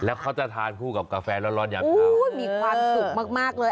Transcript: แล้วเขาจะทานคู่กับกาแฟร้อนยามเช้ามีความสุขมากเลย